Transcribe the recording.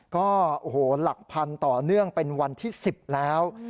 ก็โอ้โหหลักพันต่อเนื่องเป็นวันที่๑๐แล้ว